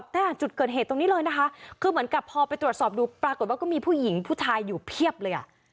แต่จุดเกิดเหตุตรงนี้เลยนะคะคือเหมือนกับพอไปตรวจสอบดูปรากฏว่าก็มีผู้หญิงผู้ชายอยู่เพียบเลยอ่ะ